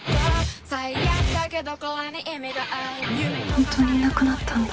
ホントにいなくなったんだ。